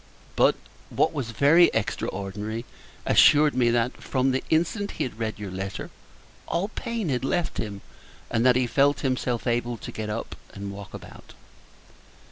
But, what was very extraordinary, assured me that, from the instant he had read your letter, all pain had left him, and that he felt himself able to get up and walk about.